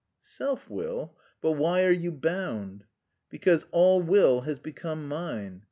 "Self will? But why are you bound?" "Because all will has become mine.